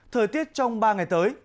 thời tiết trong ba ngày tới